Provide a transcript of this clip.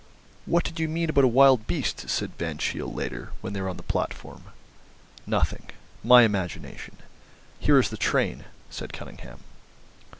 "What did you mean about a wild beast?" said Van Cheele later, when they were on the platform. "Nothing. My imagination. Here is the train," said Cunningham.